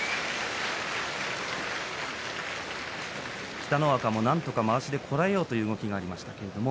北の若もなんとか、まわしでこらえようという動きがありました。